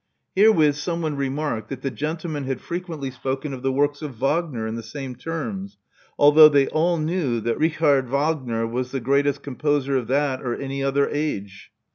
Here upon someone remarked that the gentleman had fre quently spoken of the works of Wagner in the same terms, although they all knew that Richard Wagner was the greatest composer of that or any other age.